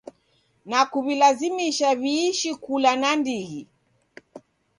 Na kuw'ilazimisha w'iishi kula nandighi